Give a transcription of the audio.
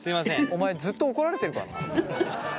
お前ずっと怒られてるからな。